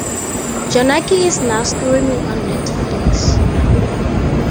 Jonaki is now streaming on Netflix.